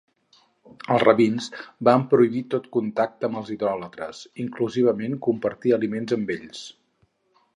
Els rabins van prohibir tot contacte amb els idòlatres, inclusivament compartir aliments amb ells.